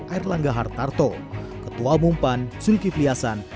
air langga hartarto ketua umum pan sulki fliasan